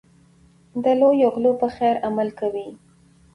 د لویو غلو په څېر عمل کوي.